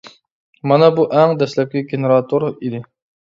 مانا بۇ ئەڭ دەسلەپكى گېنېراتور ئىدى.